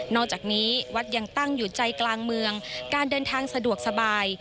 อกจากนี้วัดยังตั้งอยู่ใจกลางเมืองการเดินทางสะดวกสบาย